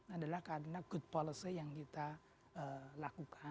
adalah karena good policy yang kita lakukan